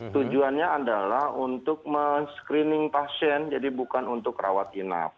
tujuannya adalah untuk men screening pasien jadi bukan untuk rawat inap